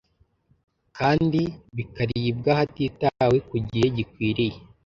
kandi bikaribwa hatitawe ku gihe gikwiriye